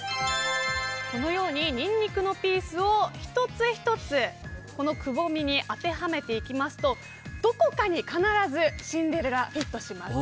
このようにニンニクのピースを一つ一つこのくぼみに当てはめていきますとどこかに必ずシンデレラフィットします。